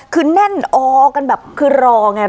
คือแน่นออกันแบบคือรอไง